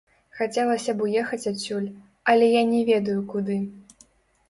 Хацелася б уехаць адсюль, але я не ведаю куды.